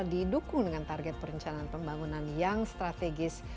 didukung dengan target perencanaan pembangunan yang strategis